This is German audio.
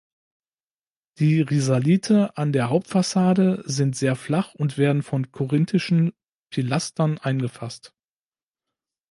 Die Risalite an der Hauptfassade sind sehr flach und werden von korinthischen Pilastern eingefasst.